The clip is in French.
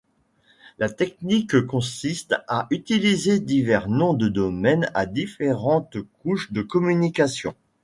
La technique consiste à utiliser divers noms de domaine à différentes couches de communication.